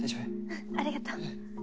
うんありがとう。